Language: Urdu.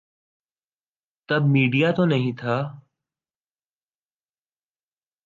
تب میڈیا تو نہیں تھا۔